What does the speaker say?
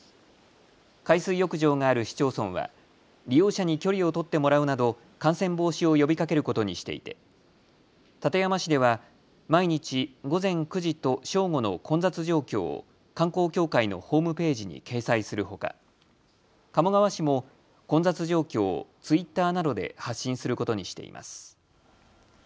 海水浴場がある市町村は利用者に距離を取ってもらうなど感染防止を呼びかけることにしていて館山市では毎日午前９時と正午の混雑状況を観光協会のホームページに掲載するほか鴨川市も混雑状況をツイッターなどで発信することにしています。